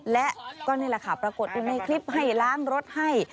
และก็นี่แหละค่ะปรากฏอยู่ในคลิปให้ล้างรถให้